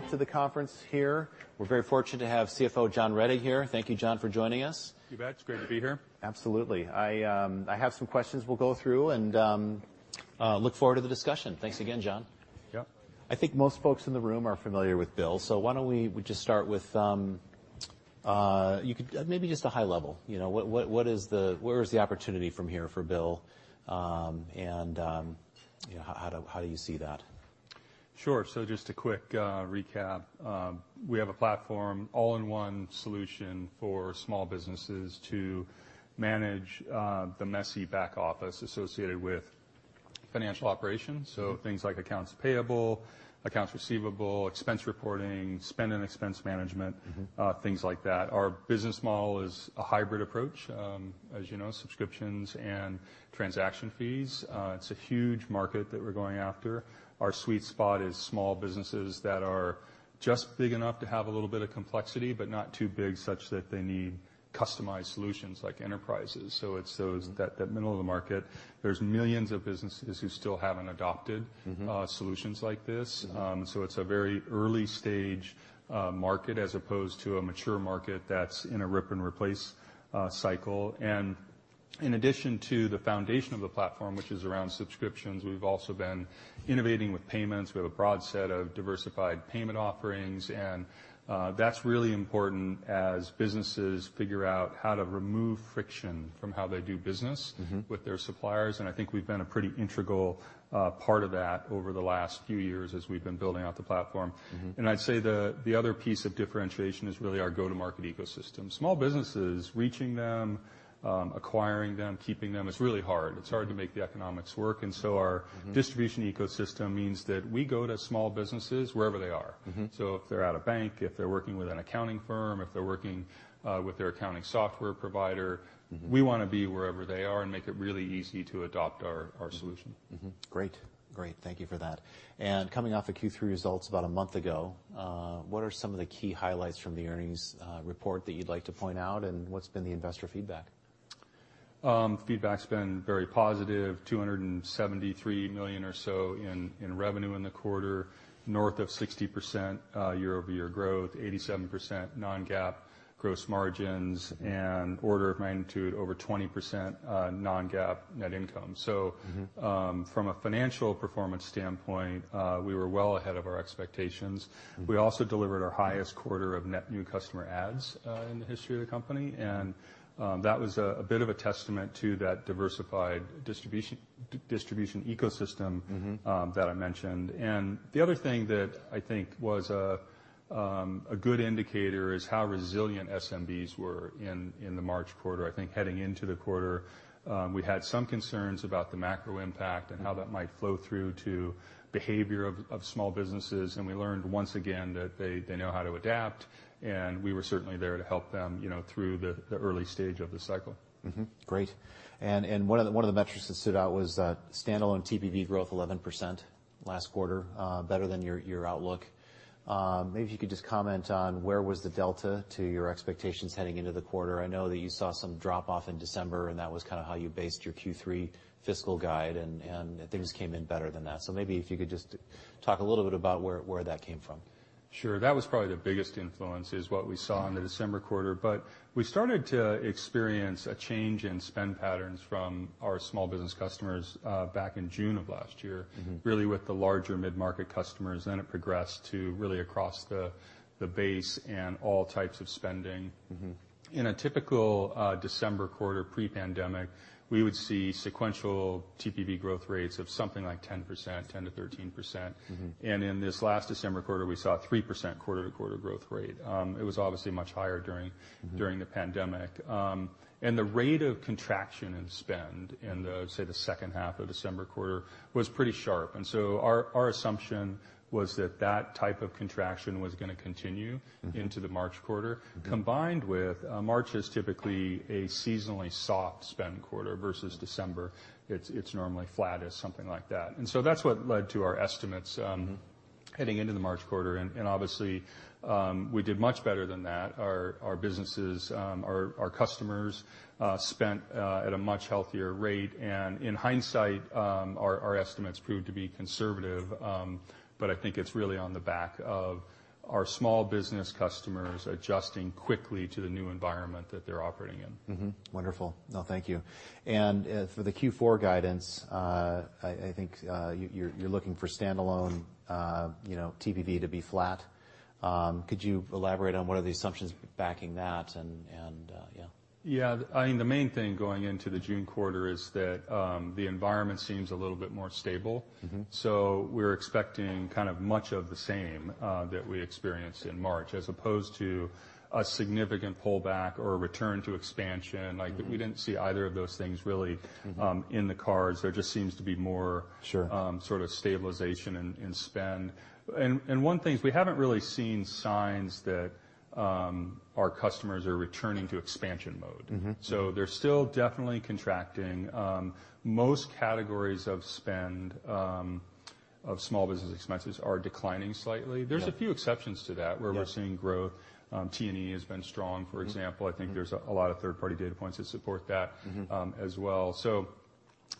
BILL to the conference here. We're very fortunate to have CFO John Rettig here. Thank you, John, for joining us. You bet. It's great to be here. Absolutely. I have some questions we'll go through, and, look forward to the discussion. Thanks again, John. Yep. I think most folks in the room are familiar with BILL, so why don't we just start with, maybe just a high level, you know? Where is the opportunity from here for BILL, and, you know, how do you see that? Sure. Just a quick recap. We have a platform, all-in-one solution for small businesses to manage the messy back office associated with financial operations, so things like accounts payable, accounts receivable, expense reporting, spend and expense management. Mm-hmm... things like that. Our business model is a hybrid approach. As you know, subscriptions and transaction fees. It's a huge market that we're going after. Our sweet spot is small businesses that are just big enough to have a little bit of complexity, but not too big, such that they need customized solutions like enterprises, so it's that middle of the market. There's millions of businesses who still haven't adopted. Mm-hmm... solutions like this. Mm-hmm. It's a very early-stage market, as opposed to a mature market that's in a rip-and-replace cycle. In addition to the foundation of the platform, which is around subscriptions, we've also been innovating with payments. We have a broad set of diversified payment offerings, and that's really important as businesses figure out how to remove friction from how they do business. Mm-hmm... with their suppliers, and I think we've been a pretty integral part of that over the last few years as we've been building out the platform. Mm-hmm. I'd say the other piece of differentiation is really our go-to-market ecosystem. Small businesses, reaching them, acquiring them, keeping them, is really hard. Mm-hmm. It's hard to make the economics work. Mm-hmm... distribution ecosystem means that we go to small businesses wherever they are. Mm-hmm. If they're at a bank, if they're working with an accounting firm, if they're working with their accounting software provider. Mm-hmm... we wanna be wherever they are and make it really easy to adopt our solution. Great. Great, thank you for that. Coming off the Q3 results about a month ago, what are some of the key highlights from the earnings report that you'd like to point out, and what's been the investor feedback? Feedback's been very positive. $273 million or so in revenue in the quarter, north of 60% year-over-year growth, 87% non-GAAP gross margins, and order of magnitude over 20% non-GAAP net income. Mm-hmm From a financial performance standpoint, we were well ahead of our expectations. Mm-hmm. We also delivered our highest quarter of net new customer adds, in the history of the company, and that was a bit of a testament to that diversified distribution ecosystem. Mm-hmm ...that I mentioned. The other thing that I think was a good indicator is how resilient SMBs were in the March quarter. I think heading into the quarter, we had some concerns about the macro impact and how that might flow through to behavior of small businesses. We learned once again that they know how to adapt, and we were certainly there to help them, you know, through the early stage of the cycle. Great. One of the metrics that stood out was that standalone TPV growth 11% last quarter, better than your outlook. Maybe if you could just comment on where was the delta to your expectations heading into the quarter? I know that you saw some drop-off in December, and that was kind of how you based your Q3 fiscal guide, and things came in better than that. Maybe if you could just talk a little bit about where that came from. Sure. That was probably the biggest influence, is what we saw in the December quarter. We started to experience a change in spend patterns from our small business customers, back in June of last year. Mm-hmm... really with the larger mid-market customers. It progressed to really across the base and all types of spending. Mm-hmm. In a typical, December quarter pre-pandemic, we would see sequential TPV growth rates of something like 10%, 10%-13%. Mm-hmm. In this last December quarter, we saw 3% quarter-to-quarter growth rate. It was obviously much higher. Mm-hmm ...during the pandemic. The rate of contraction in spend in the, say, the second half of December quarter was pretty sharp. Our, our assumption was that that type of contraction was gonna continue. Mm-hmm... into the March quarter. Mm-hmm. Combined with, March is typically a seasonally soft spend quarter versus December. Mm-hmm. It's normally flat or something like that. That's what led to our estimates. Mm-hmm heading into the March quarter. Obviously, we did much better than that. Our businesses, our customers spent at a much healthier rate, in hindsight, our estimates proved to be conservative. I think it's really on the back of our small business customers adjusting quickly to the new environment that they're operating in. Wonderful. No, thank you. For the Q4 guidance, I think you're looking for standalone, you know, TPV to be flat. Could you elaborate on what are the assumptions backing that? Yeah. I mean, the main thing going into the June quarter is that the environment seems a little bit more stable. Mm-hmm. We're expecting kind of much of the same, that we experienced in March, as opposed to a significant pullback or a return to expansion. Mm-hmm. Like, we didn't see either of those things really... Mm-hmm... in the cards. There just seems to be. Sure... sort of stabilization in spend. One thing, we haven't really seen signs that our customers are returning to expansion mode. Mm-hmm. They're still definitely contracting. Most categories of spend, of small business expenses are declining slightly. Yeah. There's a few exceptions to that. Yeah... where we're seeing growth. T&E has been strong, for example. Mm-hmm. I think there's a lot of third-party data points that support that. Mm-hmm... as well.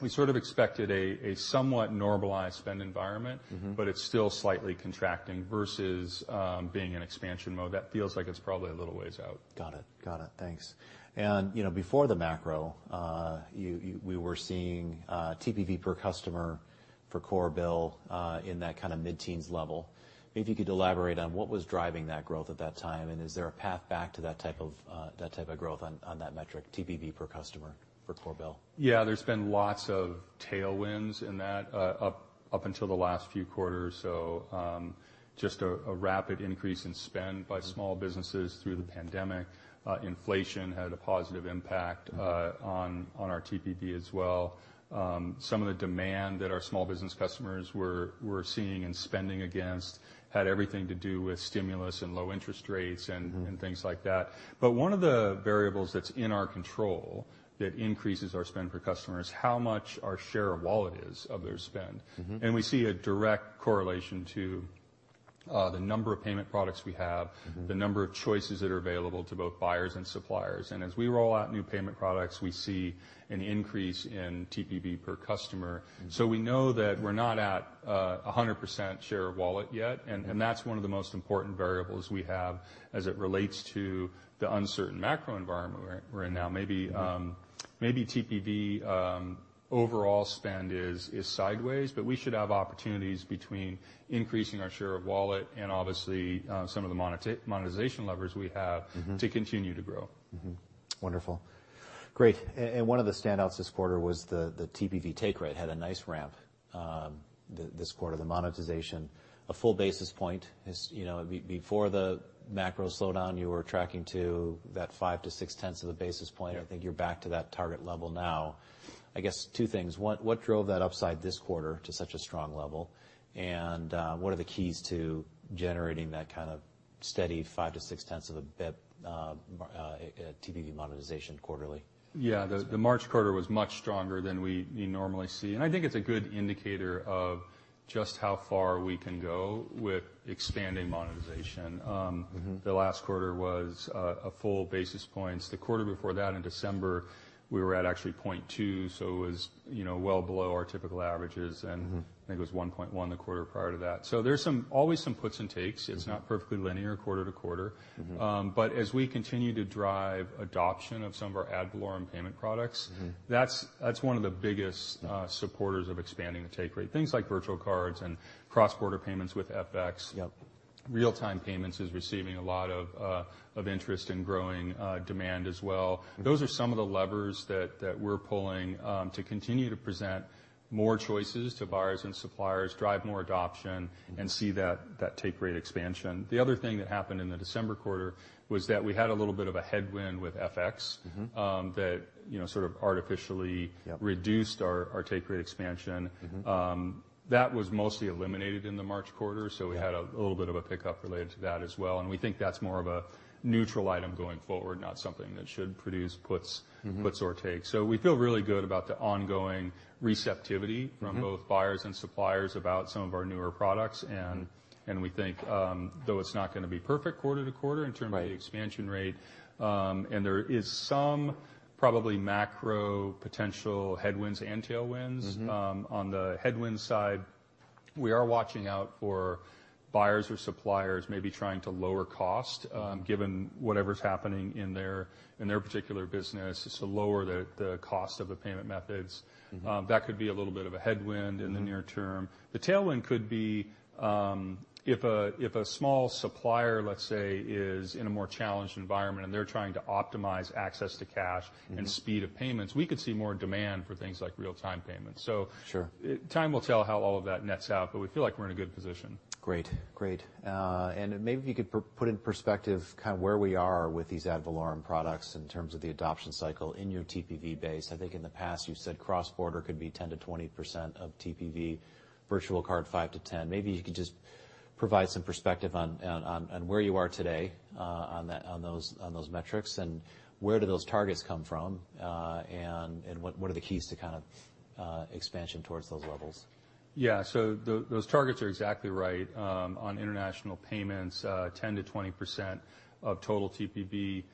We sort of expected a somewhat normalized spend environment. Mm-hmm. It's still slightly contracting versus being in expansion mode. That feels like it's probably a little ways out. Got it. Got it. Thanks. You know, before the macro, we were seeing TPV per customer for core BILL in that kind of mid-teens level. Maybe you could elaborate on what was driving that growth at that time, and is there a path back to that type of growth on that metric, TPV per customer for core BILL? Yeah, there's been lots of tailwinds in that, up until the last few quarters. Just a rapid increase in spend. Mm-hmm... small businesses through the pandemic. Inflation had a positive impact on our TPV as well. Some of the demand that our small business customers were seeing and spending against had everything to do with stimulus and low interest rates. Mm-hmm... and things like that. One of the variables that's in our control that increases our spend per customer is how much our share of wallet is of their spend. Mm-hmm. We see a direct correlation to the number of payment products we have. Mm-hmm... the number of choices that are available to both buyers and suppliers. As we roll out new payment products, we see an increase in TPV per customer. Mm. We know that we're not at 100% share of wallet yet. Mm-hmm. That's one of the most important variables we have as it relates to the uncertain macro environment we're in now. Mm-hmm. Maybe TPV, overall spend is sideways, but we should have opportunities between increasing our share of wallet and obviously, some of the monetization levers we have. Mm-hmm... to continue to grow. Wonderful. Great. One of the standouts this quarter was the TPV take rate had a nice ramp this quarter, the monetization. A full basis point is, you know, before the macro slowdown, you were tracking to that 5-6 tenths of a basis point. I think you're back to that target level now. I guess 2 things. One, what drove that upside this quarter to such a strong level? What are the keys to generating that kind of steady 5-6 tenths of a bip TPV monetization quarterly? Yeah. Yeah. The March quarter was much stronger than we normally see, and I think it's a good indicator of just how far we can go with expanding monetization. Mm-hmm... the last quarter was, a full basis points. The quarter before that, in December, we were at actually 0.2. It was, you know, well below our typical averages. Mm-hmm. I think it was 1.1 the quarter prior to that. There's some, always some puts and takes. Mm-hmm. It's not perfectly linear quarter to quarter. Mm-hmm. as we continue to drive adoption of some of our ad valorem payment products- Mm-hmm that's one of the biggest supporters of expanding the take rate, things like virtual cards and cross-border payments with FX. Yep. Real-time payments is receiving a lot of interest and growing, demand as well. Mm-hmm. Those are some of the levers that we're pulling, to continue to present more choices to buyers and suppliers, drive more adoption. Mm-hmm... and see that take rate expansion. The other thing that happened in the December quarter was that we had a little bit of a headwind with FX. Mm-hmm... that, you know, sort of artificially Yep... reduced our take rate expansion. Mm-hmm. That was mostly eliminated in the March quarter. Yeah... had a little bit of a pickup related to that as well, and we think that's more of a neutral item going forward, not something that should produce puts-. Mm-hmm... puts or takes. We feel really good about the ongoing receptivity... Mm-hmm... from both buyers and suppliers about some of our newer products. Mm-hmm. We think, though it's not going to be perfect quarter to quarter in terms- Right of the expansion rate, and there is some probably macro potential headwinds and tailwinds. Mm-hmm. On the headwinds side, we are watching out for buyers or suppliers maybe trying to lower cost, given whatever's happening in their particular business, to lower the cost of the payment methods. Mm-hmm. That could be a little bit of a headwind. Mm-hmm... in the near term. The tailwind could be, if a small supplier, let's say, is in a more challenged environment, and they're trying to optimize access to cash... Mm-hmm... and speed of payments, we could see more demand for things like real-time payments. Sure... time will tell how all of that nets out, but we feel like we're in a good position. Great, great. Maybe if you could put in perspective kind of where we are with these ad valorem products in terms of the adoption cycle in your TPV base. I think in the past, you've said cross-border could be 10%-20% of TPV, virtual card, 5%-10%. Maybe you could just provide some perspective on where you are today, on those metrics, and where do those targets come from, and what are the keys to kind of expansion towards those levels? Yeah. Those targets are exactly right. On international payments, 10%-20% of total TPV,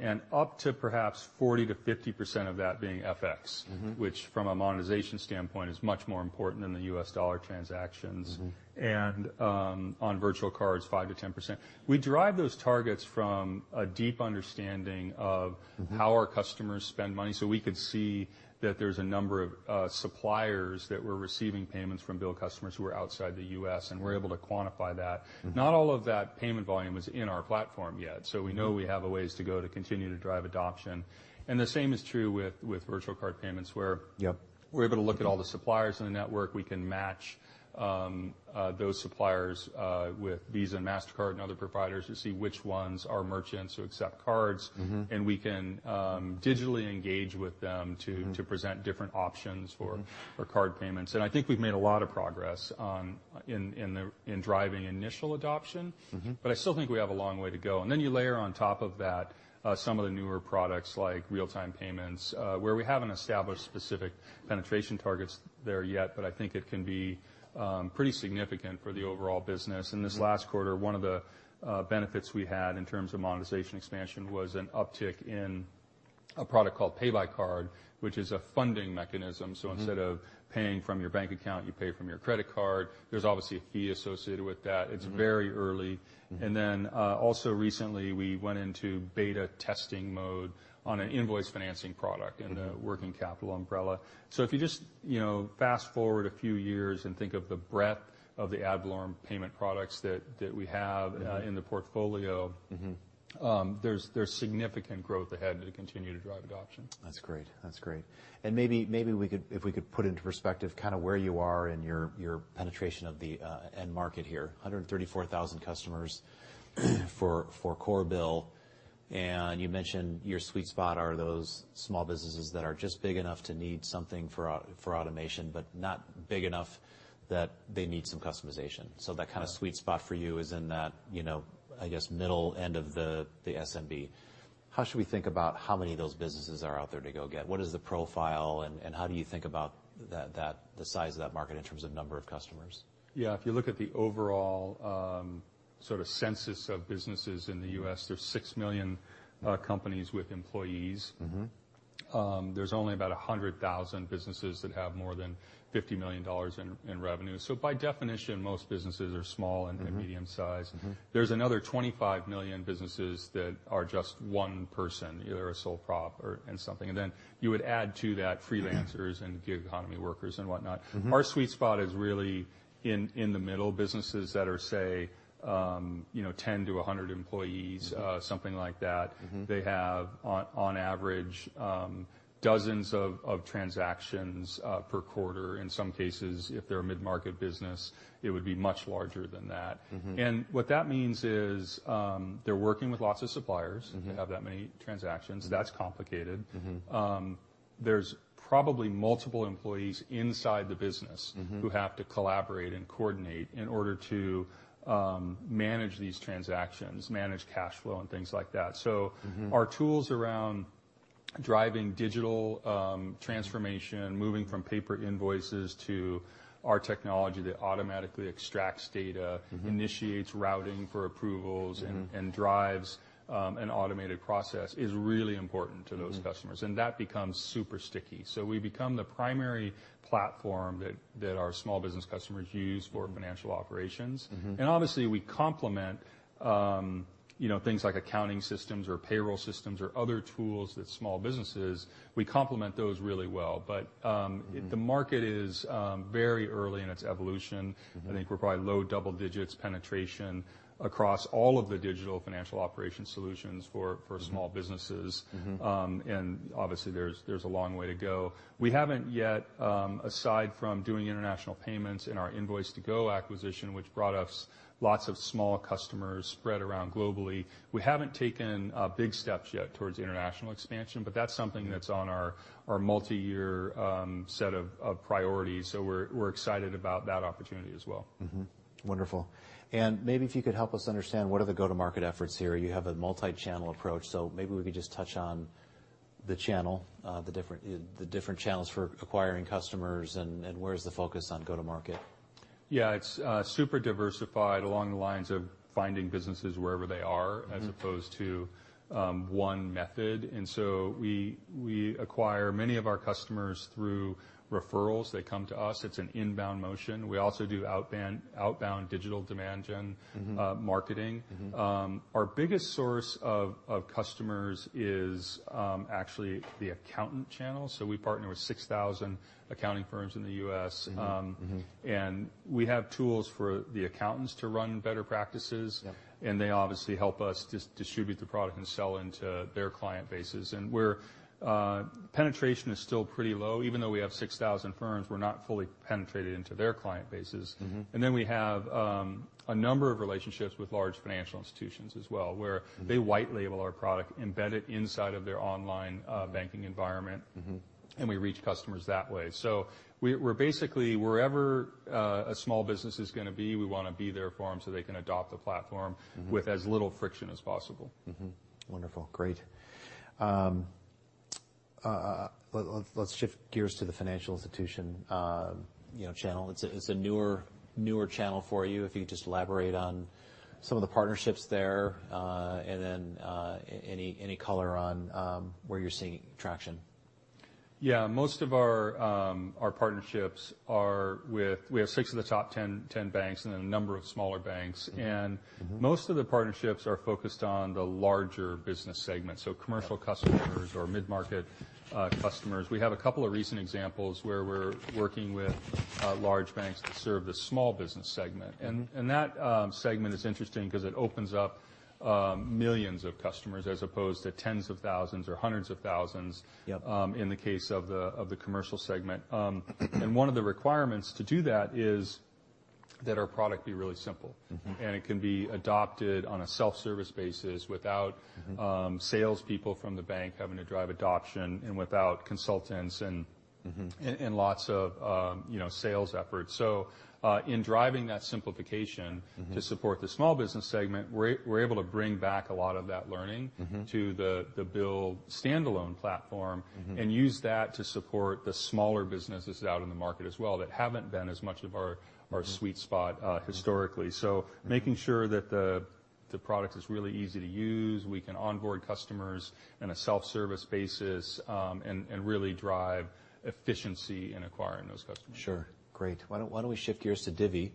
and up to perhaps 40%-50% of that being FX. Mm-hmm. Which, from a monetization standpoint, is much more important than the U.S. dollar transactions. Mm-hmm. On virtual cards, 5%-10%. We derive those targets from a deep understanding. Mm-hmm... how our customers spend money. We could see that there's a number of suppliers that were receiving payments from BILL customers who are outside the U.S., and we're able to quantify that. Mm-hmm. Not all of that payment volume is in our platform yet. Mm-hmm... so we know we have a ways to go to continue to drive adoption. The same is true with virtual card payments. Yep we're able to look at all the suppliers in the network. We can match those suppliers with Visa and Mastercard and other providers to see which ones are merchants who accept cards. Mm-hmm. We can digitally engage with them. Mm-hmm... to present different options for. Mm-hmm... for card payments. I think we've made a lot of progress in driving initial adoption. Mm-hmm. I still think we have a long way to go. You layer on top of that, some of the newer products, like real-time payments, where we haven't established specific penetration targets there yet, but I think it can be pretty significant for the overall business. Mm-hmm. This last quarter, one of the benefits we had in terms of monetization expansion was an uptick a product called Pay by Card, which is a funding mechanism. Mm-hmm. Instead of paying from your bank account, you pay from your credit card. There's obviously a fee associated with that. Mm-hmm. It's very early. Mm-hmm. Also recently, we went into beta testing mode on an invoice financing product. Mm-hmm -in the working capital umbrella. If you just, you know, fast-forward a few years and think of the breadth of the ad valorem payment products that we have- Yeah ...in the portfolio Mm-hmm... there's significant growth ahead to continue to drive adoption. That's great. That's great. Maybe, if we could put into perspective kinda where you are in your penetration of the end market here. 134,000 customers for core BILL, and you mentioned your sweet spot are those small businesses that are just big enough to need something for automation, but not big enough that they need some customization. Yeah. That kind of sweet spot for you is in that, you know, I guess, middle end of the SMB. How should we think about how many of those businesses are out there to go get? What is the profile, and how do you think about that, the size of that market in terms of number of customers? If you look at the overall, sort of census of businesses in the U.S., there's 6 million companies with employees. Mm-hmm. there's only about 100,000 businesses that have more than $50 million in revenue. By definition, most businesses are small-. Mm-hmm and medium-sized. Mm-hmm. There's another 25 million businesses that are just one person, either a sole prop or, and something. You would add to that. Mm-hmm Freelancers and gig economy workers and whatnot. Mm-hmm. Our sweet spot is really in the middle, businesses that are, say, you know, 10-100 employees. Mm-hmm... something like that. Mm-hmm. They have on average, dozens of transactions per quarter. In some cases, if they're a mid-market business, it would be much larger than that. Mm-hmm. What that means is, they're working with lots of suppliers... Mm-hmm to have that many transactions. Mm-hmm. That's complicated. Mm-hmm. There's probably multiple employees inside the business. Mm-hmm who have to collaborate and coordinate in order to manage these transactions, manage cash flow and things like that. Mm-hmm. Our tools around driving digital transformation, moving from paper invoices to our technology that automatically extracts data. Mm-hmm... initiates routing for approvals. Mm-hmm Drives, an automated process, is really important to those customers. Mm. That becomes super sticky. We become the primary platform that our small business customers use for financial operations. Mm-hmm. Obviously, we complement, you know, things like accounting systems or payroll systems or other tools that small businesses. We complement those really well. Mm-hmm If the market is, very early in its evolution. Mm-hmm. ...I think we're probably low double digits penetration across all of the digital financial operation solutions for. Mm-hmm... for small businesses. Mm-hmm. Obviously, there's a long way to go. We haven't yet, aside from doing international payments in our Invoice2go acquisition, which brought us lots of small customers spread around globally, we haven't taken, big steps yet towards international expansion, but that's something. Mm... that's on our multiyear set of priorities, so we're excited about that opportunity as well. Wonderful. Maybe if you could help us understand, what are the go-to-market efforts here? You have a multi-channel approach, so maybe we could just touch on the different channels for acquiring customers, and where is the focus on go-to-market? Yeah, it's super diversified along the lines of finding businesses wherever they are- Mm-hmm... as opposed to, one method. We acquire many of our customers through referrals. They come to us. It's an inbound motion. We also do outbound digital demand gen. Mm-hmm ...marketing. Mm-hmm. Our biggest source of customers is, actually the accountant channel. We partner with 6,000 accounting firms in the U.S. Mm-hmm. Mm-hmm. We have tools for the accountants to run better practices. Yeah. They obviously help us distribute the product and sell into their client bases. Penetration is still pretty low. Even though we have 6,000 firms, we're not fully penetrated into their client bases. Mm-hmm. We have, a number of relationships with large financial institutions as well, where- Mm-hmm They white label our product, embed it inside of their online, banking environment. Mm-hmm. We reach customers that way. We're basically wherever a small business is gonna be, we wanna be there for them, so they can adopt the platform. Mm-hmm ....with as little friction as possible. Wonderful. Great. Let's shift gears to the financial institution, you know, channel. It's a newer channel for you. If you could just elaborate on some of the partnerships there, and then, any color on, where you're seeing traction? Yeah. Most of our partnerships are with. We have six of the top 10 banks and a number of smaller banks. Mm-hmm. And- Mm-hmm... most of the partnerships are focused on the larger business segment, so commercial customers or mid-market customers. We have a couple of recent examples where we're working with large banks that serve the small business segment. Mm-hmm. And that segment is interesting 'cause it opens up millions of customers, as opposed to tens of thousands or hundreds of thousands. Yep... in the case of the, of the commercial segment. One of the requirements to do that is that our product be really simple. Mm-hmm. It can be adopted on a self-service basis without. Mm-hmm Salespeople from the bank having to drive adoption, and without consultants and- Mm-hmm and lots of, you know, sales efforts. In driving that simplification. Mm-hmm -to support the small business segment, we're able to bring back a lot of that learning- Mm-hmm To the BILL standalone platform. Mm-hmm use that to support the smaller businesses out in the market as well, that haven't been as much of our... Mm-hmm our sweet spot, historically. Mm-hmm. Making sure that the product is really easy to use, we can onboard customers in a self-service basis, and really drive efficiency in acquiring those customers. Sure. Great. Why don't we shift gears to Divvy?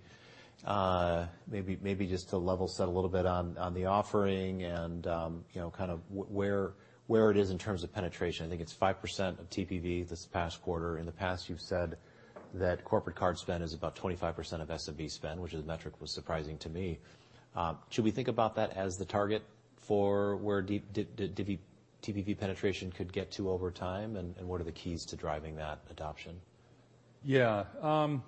maybe just to level set a little bit on the offering and, you know, kind of where it is in terms of penetration. I think it's 5% of TPV this past quarter. In the past, you've said that corporate card spend is about 25% of SMB spend, which is a metric that was surprising to me. Should we think about that as the target for where Divvy TPV penetration could get to over time, and what are the keys to driving that adoption? Yeah.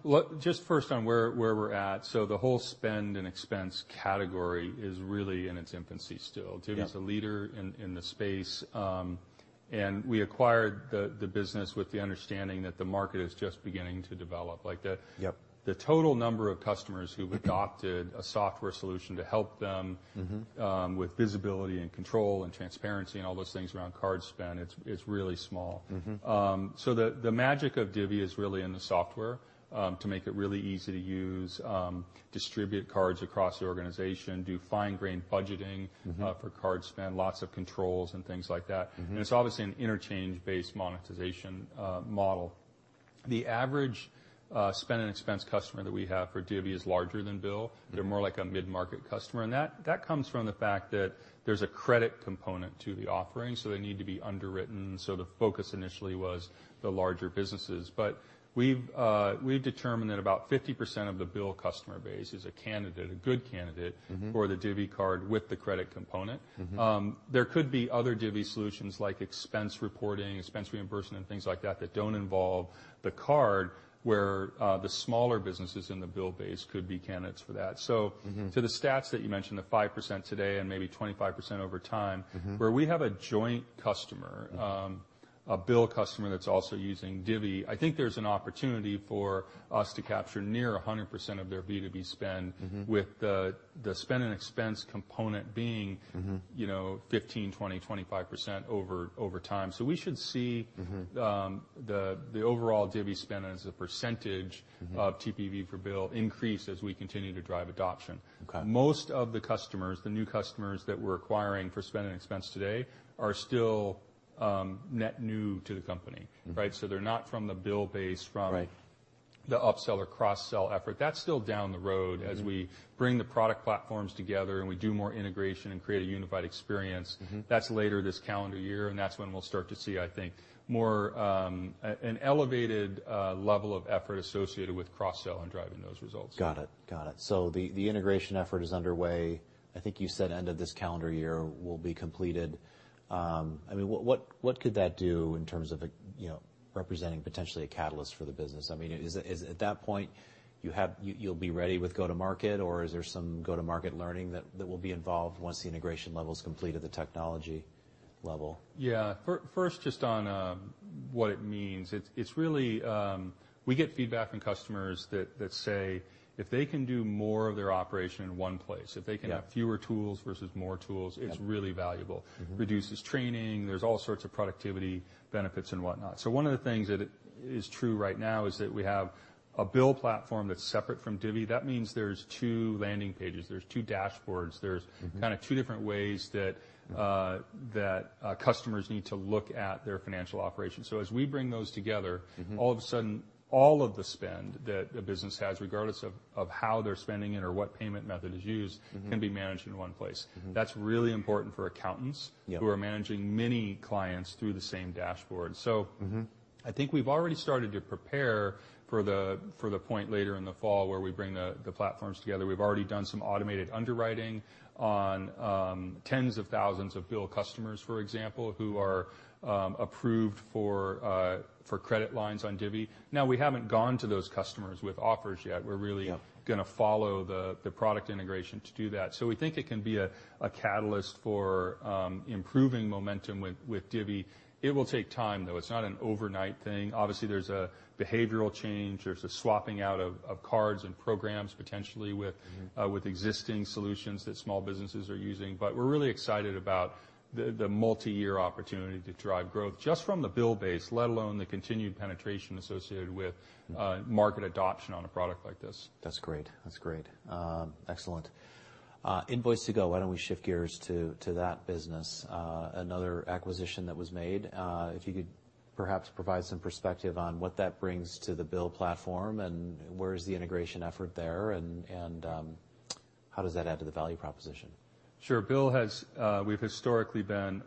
look, just first on where we're at, the whole spend and expense category is really in its infancy still. Yeah. Divvy is a leader in the space. We acquired the business with the understanding that the market is just beginning to develop, like. Yep the total number of customers who've adopted a software solution to help them. Mm-hmm with visibility and control and transparency and all those things around card spend, it's really small. Mm-hmm. The magic of Divvy is really in the software, to make it really easy to use, distribute cards across the organization, do fine-grained budgeting... Mm-hmm For card spend, lots of controls and things like that. Mm-hmm. It's obviously an interchange-based monetization model. The average spend and expense customer that we have for Divvy is larger than BILL. Mm-hmm. They're more like a mid-market customer, that comes from the fact that there's a credit component to the offering, so they need to be underwritten. The focus initially was the larger businesses. We've determined that about 50% of the BILL customer base is a candidate, a good candidate- Mm-hmm ...for the Divvy card with the credit component. Mm-hmm. There could be other Divvy solutions, like expense reporting, expense reimbursement, and things like that don't involve the card, where the smaller businesses in the BILL base could be candidates for that. Mm-hmm to the stats that you mentioned, the 5% today and maybe 25% over time. Mm-hmm... where we have a joint customer, a BILL customer that's also using Divvy, I think there's an opportunity for us to capture near 100% of their B2B spend. Mm-hmm with the spend and expense component being Mm-hmm ...you know, 15, 20, 25% over time. We should see Mm-hmm the overall Divvy spend as a percentage- Mm-hmm -of TPV for BILL increase as we continue to drive adoption. Okay. Most of the customers, the new customers that we're acquiring for spend and expense today, are still, net new to the company, right? Mm-hmm. They're not from the BILL base. Right the upsell or cross-sell effort. That's still down the road. Mm-hmm As we bring the product platforms together, and we do more integration and create a unified experience. Mm-hmm. That's later this calendar year, and that's when we'll start to see, I think, more, an elevated level of effort associated with cross-sell and driving those results. Got it. The, the integration effort is underway. I think you said end of this calendar year will be completed. I mean, what could that do in terms of, you know, representing potentially a catalyst for the business? I mean, is it? At that point, you'll be ready with go-to market, or is there some go-to-market learning that will be involved once the integration level is completed, the technology level? Yeah. first, just on, what it means, it's really, we get feedback from customers that say, if they can do more of their operation in one place. Yeah have fewer tools versus more tools Yeah it's really valuable. Mm-hmm. Reduces training, there's all sorts of productivity benefits and whatnot. One of the things that is true right now is that we have a BILL platform that's separate from Divvy. That means there's two landing pages, there's two dashboards, there's- Mm-hmm kind of two different ways that customers need to look at their financial operations. as we bring those together Mm-hmm all of a sudden, all of the spend that a business has, regardless of how they're spending it or what payment method is used Mm-hmm can be managed in one place. Mm-hmm. That's really important for accountants. Yeah who are managing many clients through the same dashboard. Mm-hmm I think we've already started to prepare for the, for the point later in the fall, where we bring the platforms together. We've already done some automated underwriting on, tens of thousands of BILL customers, for example, who are approved for credit lines on Divvy. Now, we haven't gone to those customers with offers yet. Yeah. We're really gonna follow the product integration to do that. We think it can be a catalyst for improving momentum with Divvy. It will take time, though. It's not an overnight thing. Obviously, there's a behavioral change. There's a swapping out of cards and programs, potentially. Mm-hmm With existing solutions that small businesses are using. We're really excited about the multi-year opportunity to drive growth, just from the BILL base, let alone the continued penetration associated with. Mm market adoption on a product like this. That's great. That's great. Excellent. Invoice2go, why don't we shift gears to that business, another acquisition that was made? If you could perhaps provide some perspective on what that brings to the BILL platform, and where is the integration effort there, and how does that add to the value proposition? Sure. BILL has, we've historically been,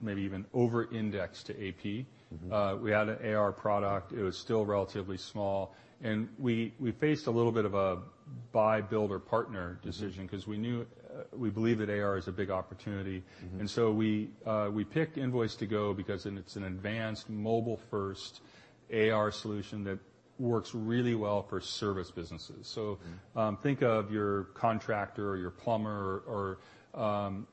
maybe even over indexed to AP. Mm-hmm. We had an AR product. It was still relatively small. We faced a little bit of a buy, build, or partner decision. Mm-hmm because we knew, we believe that AR is a big opportunity. Mm-hmm. We picked Invoice2go because then it's an advanced mobile-first AR solution that works really well for service businesses. Think of your contractor or your plumber or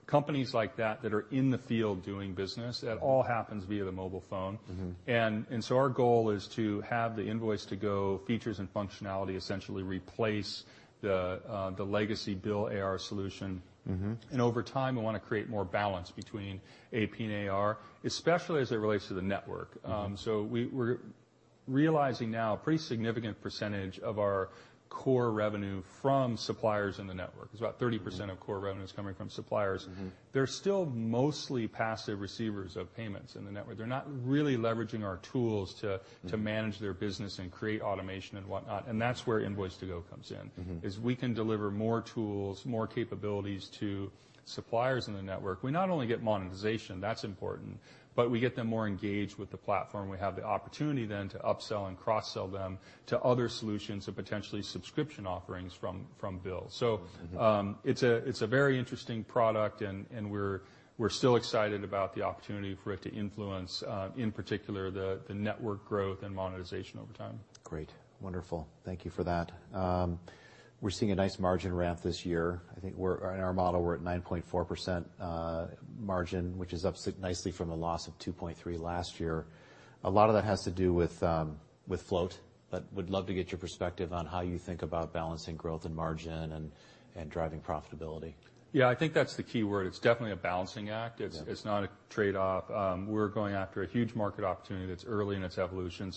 companies like that are in the field doing business. Mm-hmm. That all happens via the mobile phone. Mm-hmm. Our goal is to have the Invoice2go features and functionality essentially replace the legacy BILL AR solution. Mm-hmm. Over time, we want to create more balance between AP and AR, especially as it relates to the network. Mm-hmm. We're realizing now a pretty significant percentage of our core revenue from suppliers in the network. Mm-hmm. It's about 30% of core revenue is coming from suppliers. Mm-hmm. They're still mostly passive receivers of payments in the network. They're not really leveraging our tools. Mm ...to manage their business and create automation and whatnot, and that's where Invoice2go comes in. Mm-hmm. We can deliver more tools, more capabilities to suppliers in the network. We not only get monetization, that's important, but we get them more engaged with the platform. We have the opportunity then to upsell and cross-sell them to other solutions and potentially subscription offerings from BILL. Mm-hmm. It's a very interesting product and we're still excited about the opportunity for it to influence, in particular, the network growth and monetization over time. Great. Wonderful. Thank you for that. We're seeing a nice margin ramp this year. I think in our model, we're at 9.4% margin, which is up nicely from a loss of 2.3% last year. A lot of that has to do with Float, but would love to get your perspective on how you think about balancing growth and margin and driving profitability. Yeah, I think that's the key word. It's definitely a balancing act. Yeah. It's not a trade-off. We're going after a huge market opportunity that's early in its evolution.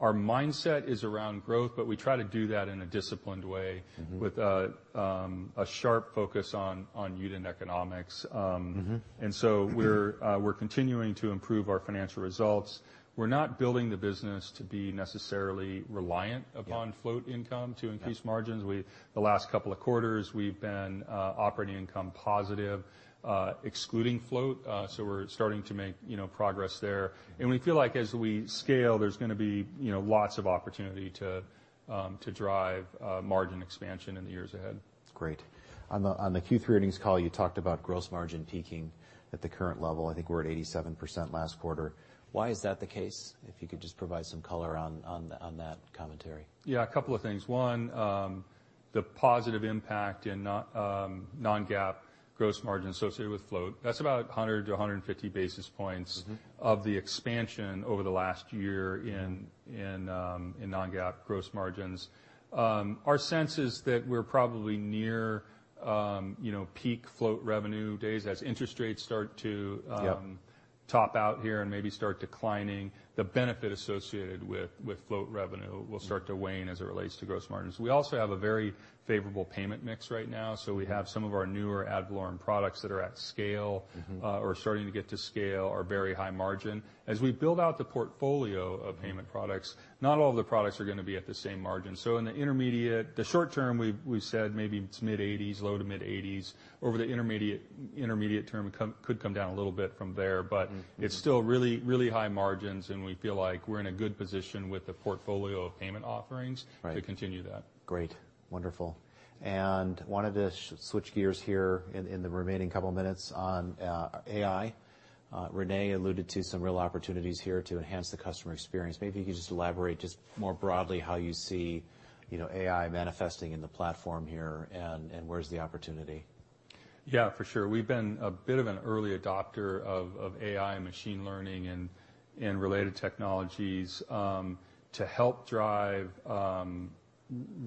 Our mindset is around growth, but we try to do that in a disciplined way. Mm-hmm... with a sharp focus on unit economics. Mm-hmm We're continuing to improve our financial results. We're not building the business to be necessarily reliant-. Yeah upon float income Yeah to increase margins. The last couple of quarters, we've been operating income positive, excluding Float. We're starting to make, you know, progress there. Mm-hmm. We feel like as we scale, there's gonna be, you know, lots of opportunity to drive margin expansion in the years ahead. Great. On the Q3 earnings call, you talked about gross margin peaking at the current level. I think we're at 87% last quarter. Why is that the case? If you could just provide some color on that commentary. A couple of things. One, the positive impact in not, non-GAAP gross margin associated with Float. That's about 100 to 150 basis points. Mm-hmm -of the expansion over the last year in non-GAAP gross margins. Our sense is that we're probably near, you know, peak Float revenue days as interest rates start to. Yep... top out here and maybe start declining. The benefit associated with float revenue. Mm will start to wane as it relates to gross margins. We also have a very favorable payment mix right now, so we have some of our newer ad valorem products that are at scale. Mm-hmm or starting to get to scale, are very high margin. As we build out the portfolio of payment products, not all of the products are gonna be at the same margin. In the short term, we've said maybe it's mid-80s, low to mid-80s. Over the intermediate term, it could come down a little bit from there. Mm-hmm. it's still really, really high margins, and we feel like we're in a good position with the portfolio of payment offerings. Right to continue that. Great. Wonderful. Wanted to switch gears here in the remaining couple minutes on AI. René alluded to some real opportunities here to enhance the customer experience. Maybe you could just elaborate just more broadly how you see, you know, AI manifesting in the platform here, and where's the opportunity? Yeah, for sure. We've been a bit of an early adopter of AI and machine learning and related technologies to help drive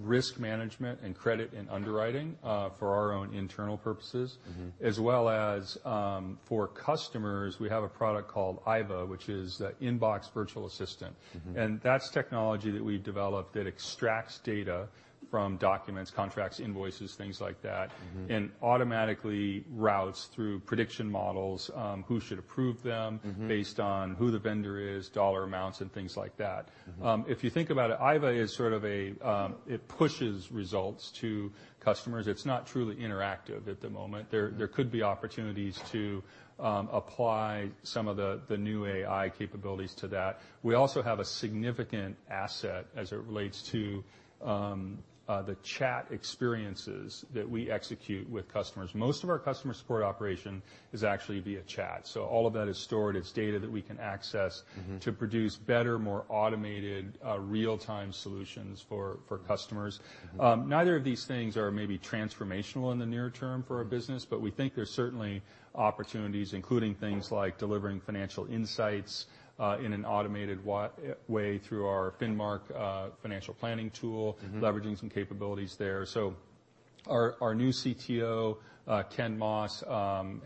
risk management and credit and underwriting for our own internal purposes. Mm-hmm. As well as, for customers, we have a product called IVA, which is the Inbox Virtual Assistant. Mm-hmm. That's technology that we've developed that extracts data from documents, contracts, invoices, things like that. Mm-hmm automatically routes through prediction models, who should approve them. Mm-hmm based on who the vendor is, dollar amounts, and things like that. Mm-hmm. If you think about it, IVA is sort of a, It pushes results to customers. It's not truly interactive at the moment. Mm-hmm. There could be opportunities to apply some of the new AI capabilities to that. We also have a significant asset as it relates to the chat experiences that we execute with customers. Most of our customer support operation is actually via chat. All of that is stored. It's data that we can access. Mm-hmm to produce better, more automated, real-time solutions for customers. Mm-hmm. Neither of these things are maybe transformational in the near term for our business, but we think there's certainly opportunities, including things like delivering financial insights, in an automated way through our Finmark financial planning tool. Mm-hmm leveraging some capabilities there. Our new CTO, Ken Moss,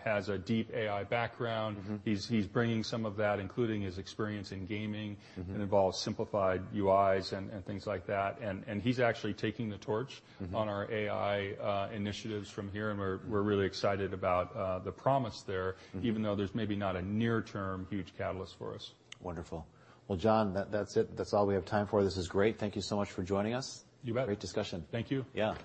has a deep AI background. Mm-hmm. He's bringing some of that, including his experience in gaming. Mm-hmm That involves simplified UIs and things like that. He's actually taking the torch. Mm-hmm On our AI initiatives from here, and we're really excited about the promise there. Mm-hmm Even though there's maybe not a near-term huge catalyst for us. Wonderful. Well, John, that's it. That's all we have time for. This is great. Thank you so much for joining us. You bet. Great discussion. Thank you. Yeah.